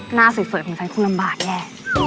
หน้าสวยของฉันคงลำบากแหละ